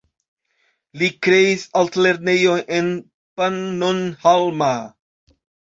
Li kreis altlernejon en Pannonhalma.